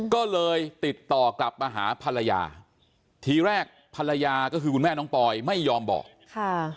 ก็เลยติดต่อกลับมาหาภรรยาทีแรกภรรยาก็คือคุณแม่น้องปอยไม่ยอมบอกค่ะ